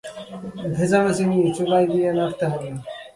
ভেজানো চিনি চুলায় দিয়ে নাড়তে হবে।